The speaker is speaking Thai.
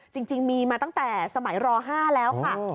จริงมีมาตั้งแต่สมัยร๕แล้วค่ะ